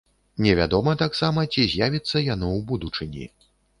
Невядома таксама, ці з'явіцца яно ў будучыні.